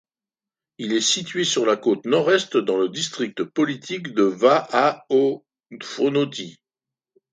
Il est situé sur la côte nord-est dans le district politique de Va'a-o-Fonoti.